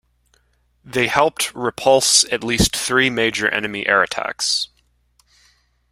They helped repulse at least three major enemy air attacks.